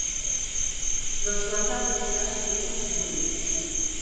Don Xoán Carlos viaxa o luns a Madrid.